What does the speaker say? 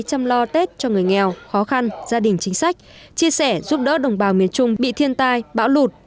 chăm lo tết cho người nghèo khó khăn gia đình chính sách chia sẻ giúp đỡ đồng bào miền trung bị thiên tai bão lụt